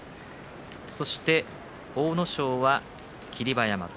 そして阿武咲は霧馬山と。